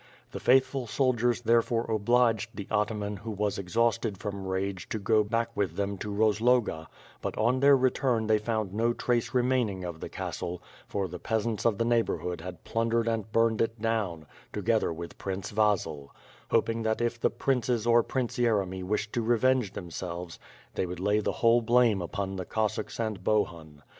The faithful soldiers there fore obliged the ataman who was exhausted from rage to go back with them to Eozloga, but on their return they found no trace remaining of the castle, for the peasants of the neighborhood had plundered and burned it down, together with Prince Vasil; hoping that if the princes or Prince Yeremy wished to revenge themselves they would lay the 270 WITH FIRE AND SWORD, 271 whole blame upon the Cossacks and Bohun.